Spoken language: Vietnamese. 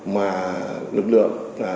mà lực lượng